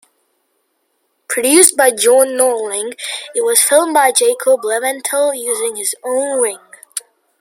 Produced by John Norling, it was filmed by Jacob Leventhal using his own rig.